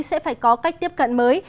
sẽ phải có cách tiếp cận mới